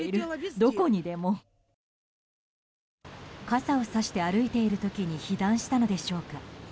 傘をさして歩いている時に被弾したのでしょうか。